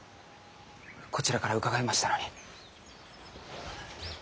こちらから伺いましたのに。